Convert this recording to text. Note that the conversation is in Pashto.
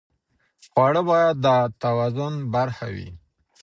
خواړه باید د توازن برخه وي.